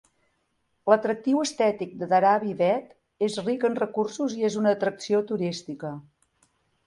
L'atractiu estètic de Dharavi Bhet és ric en recursos i és una atracció turística.